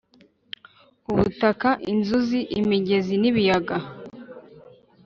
ubutaka inzuzi imigezi n’ ibiyaga